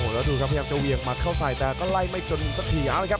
แล้วดูครับพยายามจะเหวี่ยงหมัดเข้าใส่แต่ก็ไล่ไม่จนสักทีเอาเลยครับ